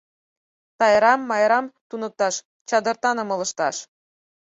Тайрам, Майрам туныкташ Чадыртаным ылыжташ...